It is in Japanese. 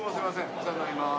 お世話になります。